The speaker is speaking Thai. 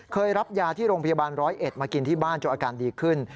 รับยาที่โรงพยาบาลร้อยเอ็ดมากินที่บ้านจนอาการดีขึ้น